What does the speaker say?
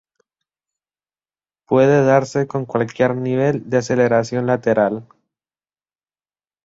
Puede darse con cualquier nivel de aceleración lateral.